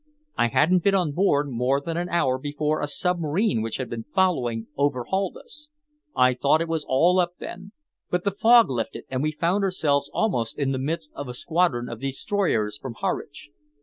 I hadn't been on board more than an hour before a submarine which had been following overhauled us. I thought it was all up then, but the fog lifted, and we found ourselves almost in the midst of a squadron of destroyers from Harwich.